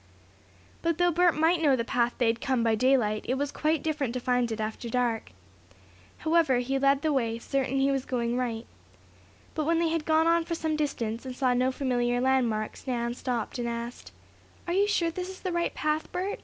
But though Bert might know the path they had come by daylight, it was quite different to find it after dark. However, he led the way, certain that he was going right. But when they had gone on for some distance, and saw no familiar landmarks, Nan stopped and asked: "Are you sure this is the right path, Bert?